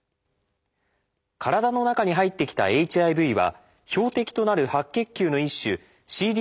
体の中に入ってきたＨＩＶは標的となる白血球の一種ＣＤ